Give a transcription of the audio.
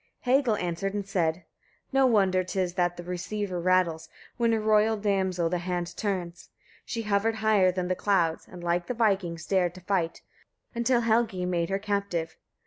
Hagal answered and said: 3. No wonder 'tis that the receiver rattles, when a royal damsel the handle turns. She hovered higher than the clouds, and, like the vikings, dared to fight, until Helgi made her captive.